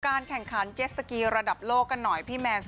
การแข่งขันเจ็ดสกีระดับโลกกันหน่อยพี่แมน